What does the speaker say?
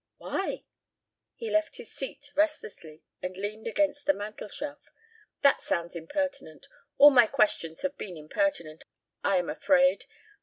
"Why?" He left his seat restlessly and leaned against the mantelshelf. "That sounds impertinent. All my questions have been impertinent, I am afraid.